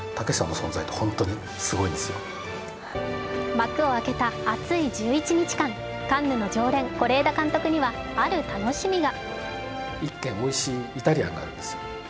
幕を開けた熱い１１日間、カンヌの常連、是枝監督にはある楽しみが。